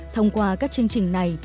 thông qua các chương trình này